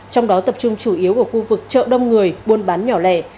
trong đó tập trung chủ yếu ở khu vực chợ đông người buôn bán nhỏ lẻ